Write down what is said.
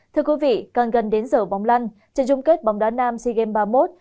thưa quý vị càng gần đến giờ bóng lăn trận chung kết bóng đá nam sea games ba mươi một